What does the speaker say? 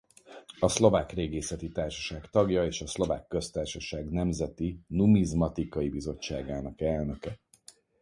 A Szlovák Régészeti Társaság tagja és a Szlovák Köztársaság Nemzeti Numizmatikai Bizottságának elnöke.